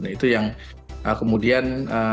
itu yang kemudian